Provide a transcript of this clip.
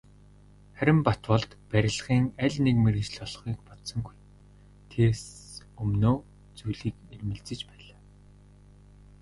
Харин Батболд барилгын аль нэг мэргэжил олохыг бодсонгүй, тэс өмнөө зүйлийг эрмэлзэж байлаа.